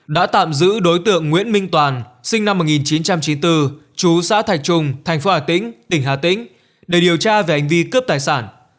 đã tạm giữ đối tượng nguyễn minh toàn sinh năm một nghìn chín trăm chín mươi bốn chú xã thạch trung thành phố hà tĩnh tỉnh hà tĩnh để điều tra về hành vi cướp tài sản